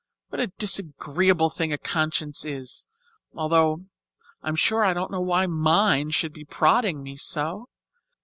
What a disagreeable thing a conscience is, although I'm sure I don't know why mine should be prodding me so!